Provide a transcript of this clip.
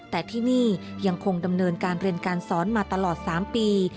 แต่ที่นี่ยังคงดำเนินการเรียนการสอนมาตลอด๓ปี